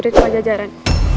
pak jurit pak jajaran